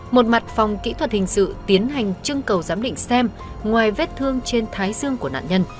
một mặt phòng kỹ thuật hình sự tiến hành trưng cầu giám định xem ngoài vết thương trên thái xương của nạn nhân